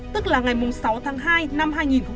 tức là ngày mùng sáu tháng hai năm hai nghìn một mươi chín